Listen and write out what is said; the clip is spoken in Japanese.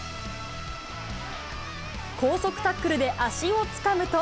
高速タックルで足をつかむと。